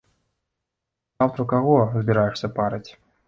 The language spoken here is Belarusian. Заўтра каго збіраешся парыць?